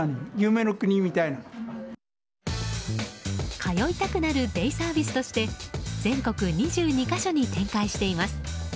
通いたくなるデイサービスとして全国２２か所に展開しています。